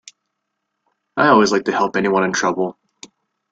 I always like to help anyone in trouble.